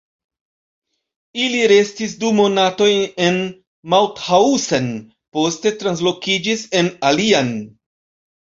Ili restis du monatojn en Mauthausen, poste translokiĝis en alian.